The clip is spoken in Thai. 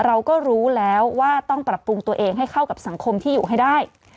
เราก็รู้แล้วว่าต้องปรับปรุงตัวเองให้เข้ากับสังคมที่อยู่ให้ได้